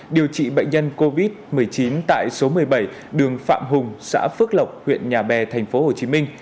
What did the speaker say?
điều trị bệnh nhân covid một mươi chín tại số một mươi bảy đường phạm hùng xã phước lọc huyện nhà bè tp hcm